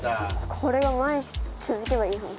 これが毎日続けばいいのに。